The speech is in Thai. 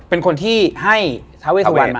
เป็นคนที่ให้ท้าเวสุวรรณมา